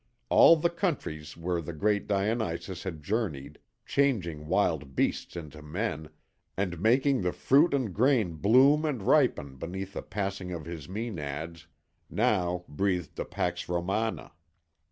"All the countries where the great Dionysus had journeyed, changing wild beasts into men, and making the fruit and grain bloom and ripen beneath the passing of his Mænads, now breathed the Pax Romana.